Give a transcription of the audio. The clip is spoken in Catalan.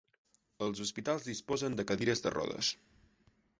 Els hospitals disposen de cadires de rodes.